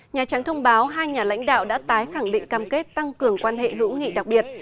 nhà trắng thông báo hai nhà lãnh đạo đã tái khẳng định cam kết tăng cường quan hệ hữu nghị đặc biệt